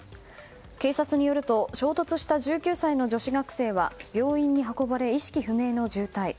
警察によると衝突した１９歳の女子学生は病院に運ばれ、意識不明の重体。